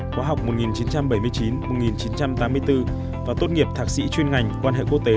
khóa học một nghìn chín trăm bảy mươi chín một nghìn chín trăm tám mươi bốn và tốt nghiệp thạc sĩ chuyên ngành quan hệ quốc tế